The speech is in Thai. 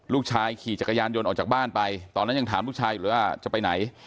ลูกชายขี่จักรยานยนต์ออกจากบ้านไปตอนนั้นยังถามลูกชายอยู่เลยว่าจะไปไหน